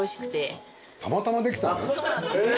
そうなんです。